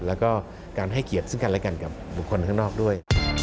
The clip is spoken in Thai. แล้วก็การให้เกียรติซึ่งกันและกันกับบุคคลข้างนอกด้วย